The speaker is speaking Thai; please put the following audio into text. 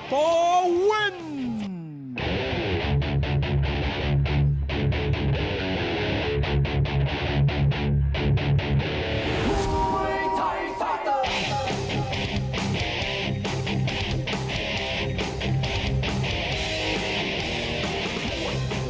ขอบคุณครับ